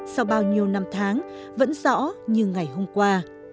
sau bao nhiêu năm tháng vẫn rõ như ngày hôm qua